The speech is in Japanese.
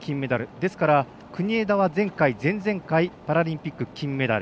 ですから、国枝は前回、前々回パラリンピック金メダル。